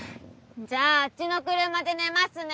じゃああっちの車で寝ますね！